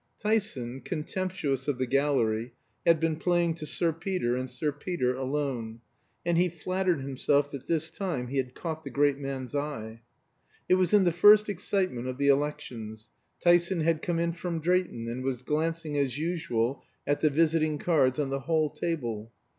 Tyson, contemptuous of the gallery, had been playing to Sir Peter and Sir Peter alone, and he flattered himself that this time he had caught the great man's eye. It was in the first excitement of the elections; Tyson had come in from Drayton, and was glancing as usual at the visiting cards on the hall table.